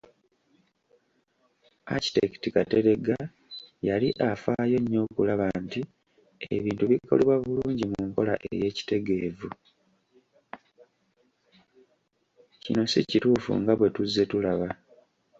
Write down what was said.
Kino si kituufu nga bwe tuzze tulaba.